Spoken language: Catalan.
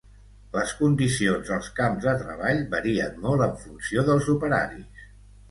Les condicions als camps de treball varien molt en funció dels operaris.